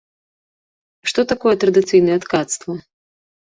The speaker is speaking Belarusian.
Што такое традыцыйнае ткацтва?